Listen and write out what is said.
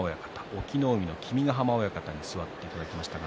隠岐の海の君ヶ濱親方に座っていただきました。